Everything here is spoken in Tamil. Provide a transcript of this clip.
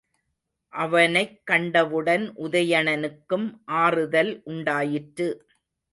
அவனைக் கண்டவுடன் உதயணனுக்கும் ஆறுதல் உண்டாயிற்று.